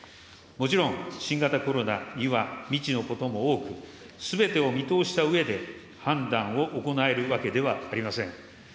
もちろん新型コロナには未知のことも多く、すべてを見通したうえで、判断を行えるわけではありません。